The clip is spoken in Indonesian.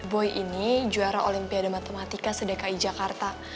boy ini juara olimpiade matematika sdk i jakarta